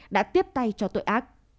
đã tiếp tay cho tội ác